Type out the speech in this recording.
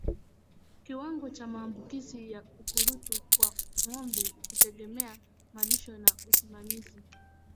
Kiwango cha maambukizi ya ukurutu kwa ngombe hutegemea malisho na usimamizi